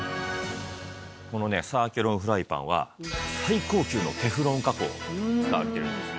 このねサーキュロンフライパンは最高級のテフロン加工が使われているんですね。